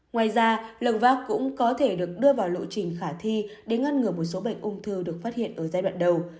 ngoài ra lồng vác cũng có thể được đưa vào lộ trình khả thi để ngăn ngừa một số bệnh ung thư được phát hiện ở giai đoạn đầu